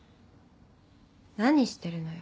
何してるのよ？